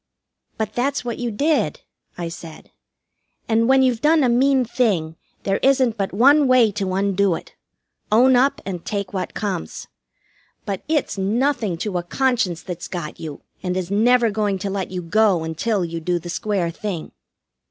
"But that's what you did," I said. "And when you've done a mean thing, there isn't but one way to undo it own up and take what comes. But it's nothing to a conscience that's got you, and is never going to let you go until you do the square thing.